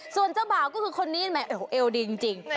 ส่วนเจ้าบ่าวก็คือคนนี้แหมเอวดีจริง